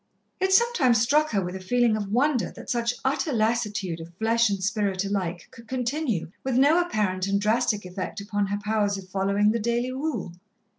It sometimes struck her with a feeling of wonder that such utter lassitude of flesh and spirit alike could continue with no apparent and drastic effect upon her powers of following the daily rule.